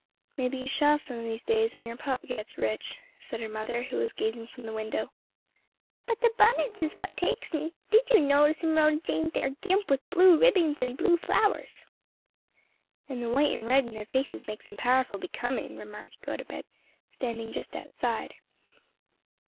"Maybe you shall some o' these days when your pop gits rich," said her mother, who was gazing from the window. "But the bonnets is what takes me. Did you notice 'em, Rhoda Jane? they're gimp with blue ribbings and blue flowers." "And the white and red in their faces makes them powerful becoming," remarked Gotobed, standing just outside.